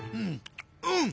うん？